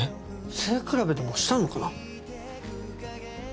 背比べでもしたのかな？